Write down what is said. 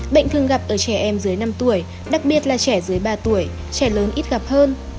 bệnh thường gặp ở trẻ em dưới năm tuổi đặc biệt là trẻ dưới ba tuổi trẻ lớn ít gặp hơn